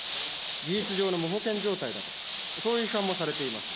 事実上の無保険状態だと、そういう批判もされています。